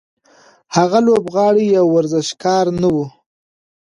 هغه لوبغاړی یا ورزشکار نه و.